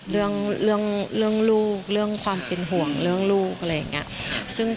เรื่องเรื่องลูกเรื่องความเป็นห่วงเรื่องลูกอะไรอย่างนี้